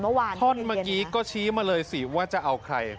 เมื่อวานเมื่อกี้เย็นท่อนเมื่อกี้ก็ชี้มาเลยสิว่าจะเอาใคร